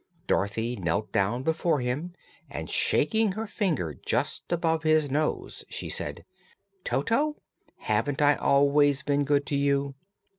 Dorothy knelt down before him and shaking her finger just above his nose she said: "Toto, haven't I always been good to you?"